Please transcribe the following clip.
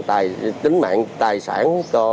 tính mạng tài sản